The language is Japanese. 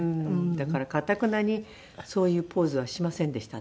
だからかたくなにそういうポーズはしませんでしたね。